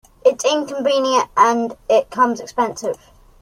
It's inconvenient — and it comes expensive.